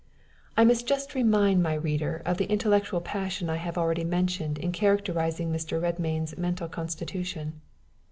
I must just remind my reader of the intellectual passion I have already mentioned as characterizing Mr. Redmain's mental constitution.